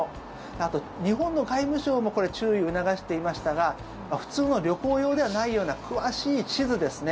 あと日本の外務省もこれ、注意を促していましたが普通の旅行用ではないような詳しい地図ですね。